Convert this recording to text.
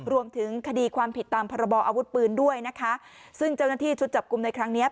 รวมถึงคดีความผิดตามพรบออาวุธปืนด้วยนะคะซึ่งเจ้าหน้าที่ชุดจับกลุ่มในครั้งเนี้ย